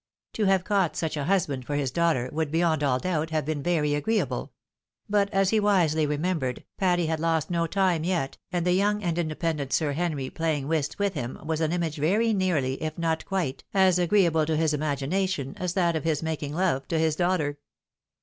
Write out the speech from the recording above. To have caught such a husband for his daughter, would, beyond all doubt, have been very agreeable ; but, as he wisely remembered, Patty had lost no time yet, and the yoTing and independent Sir Henry playing whist with him, was an image very nearly, if not quite, as agreeable to his imagina tion, as that of his making love to his daughter.